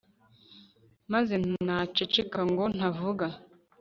maze naceceka ngo ntavuga